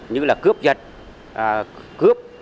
như là cướp dật cướp